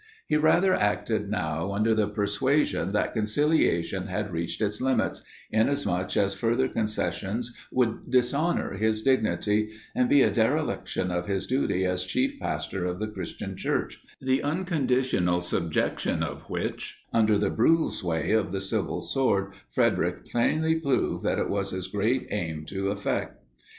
He rather acted now under the persuasion that conciliation had reached its limits, inasmuch as further concessions would dishonour his dignity, and be a dereliction of his duty as chief pastor of the Christian Church; the unconditional subjection of which under the brutal sway of the civil sword, Frederic plainly proved that it was his great aim to effect.